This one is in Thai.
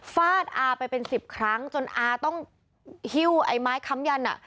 ฟาดอาไปเป็นสิบครั้งจนอาต้องหิ้วไอ้ไม้ค้ำยันอ่ะ